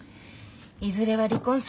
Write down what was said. いずれは離婚するの？